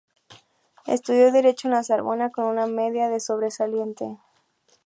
Estudió Derecho en La Sorbona con una media de sobresaliente.